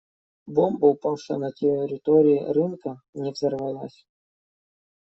Бомба, упавшая на территории рынка, не взорвалась.